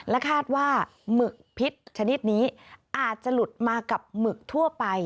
คาดว่าหมึกพิษชนิดนี้อาจจะหลุดมากับหมึกทั่วไป